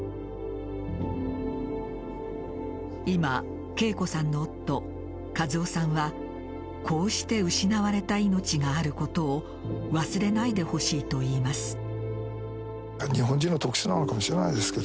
今、桂子さんの夫・一雄さんはこうして失われた命があることを忘れないでほしいと言います。